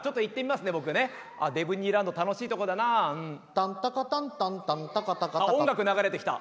「タンタカタンタンタンタカタカタカ」あっ音楽流れてきた。